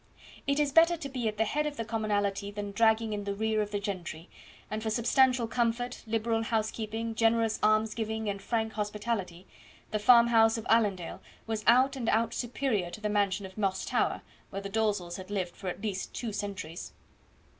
It is better to be at the head of the commonalty than dragging in the rear of the gentry, and for substantial comfort, liberal housekeeping, generous almsgiving, and frank hospitality, the farmhouse of Allendale was out and out superior to the mansion of Moss Tower, where the Dalzells had lived for at least two centuries.